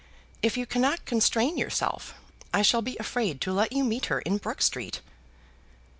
If you cannot constrain yourself I shall be afraid to let you meet her in Brook Street."